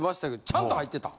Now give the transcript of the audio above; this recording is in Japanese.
ちゃんと入ってた？